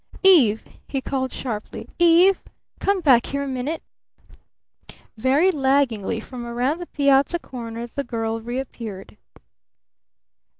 "Eve!" he called sharply. "Eve! Come back here a minute!" Very laggingly from around the piazza corner the girl reappeared.